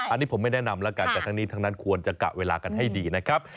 อันนี้ผมไม่แนะนำแล้วกันแต่ทั้งนี้ทั้งนั้นควรจะกะเวลากันให้ดีนะครับ